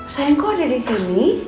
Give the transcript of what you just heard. sayang kok ada di sini